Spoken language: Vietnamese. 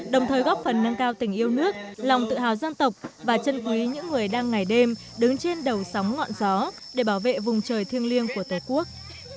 đồng thời góp phần nâng cao tình yêu nước lòng tự hào dân tộc và chân quý những người đang ngày đêm đứng trên đầu sóng ngọn gió để bảo vệ vùng trời thiêng liêng của tổ quốc